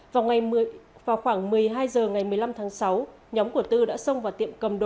vào khoảng một mươi hai h ngày một mươi năm tháng sáu nhóm của tư đã xông vào tiệm cầm đồ